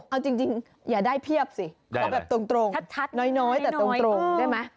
เอาจริงอย่าได้เพียบสิตรงน้อยแต่ตรงได้ไหม